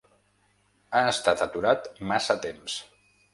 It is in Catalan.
Ha estat aturat massa temps.